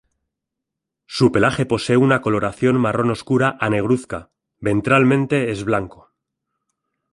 Su pelaje posee una coloración marrón oscura a negruzca; ventralmente es blanco.